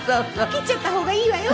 「切っちゃった方がいいわよ」